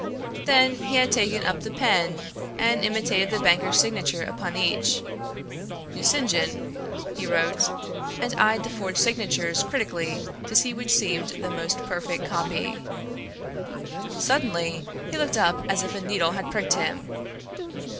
Then he had taken up the pen and imitated the banker's signature upon each. Nucingen he wrote, and eyed the forged signatures critically to see which seemed the most perfect copy. Suddenly he looked up as if a needle had pricked him.